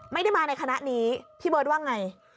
ไม่ได้มาในคณะนี้พี่เบิร์ตว่าไง